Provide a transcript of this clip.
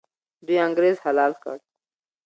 دوی انګریز حلال کړ.